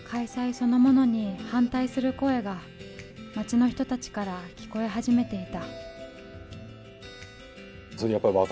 そのものに反対する声が街の人たちから聞こえ始めていた。